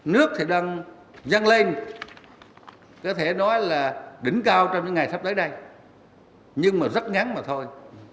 nước thì đang dăng lên có thể nói là đỉnh cao trong những ngày sắp tới đây nhưng mà rất ngắn mà thôi